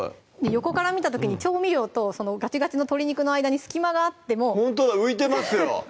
横から見た時に調味料とガチガチの鶏肉の間に隙間があってもほんとだ浮いてますよ